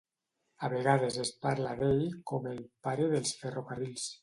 A vegades es parla d'ell com el "pare dels ferrocarrils".